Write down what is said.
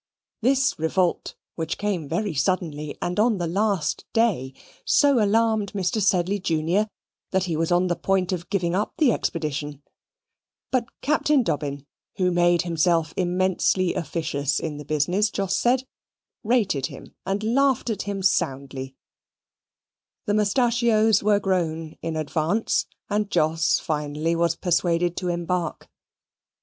This revolt, which came very suddenly, and on the last day, so alarmed Mr. Sedley, junior, that he was on the point of giving up the expedition, but Captain Dobbin (who made himself immensely officious in the business, Jos said), rated him and laughed at him soundly: the mustachios were grown in advance, and Jos finally was persuaded to embark.